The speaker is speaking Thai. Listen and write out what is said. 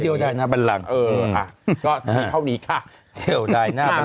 เดียวดายหน้าบันรังเออค่ะก็เท่านี้ค่ะเดียวดายหน้าบันรัง